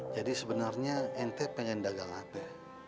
jadi sebenarnya ente pengen dagang apa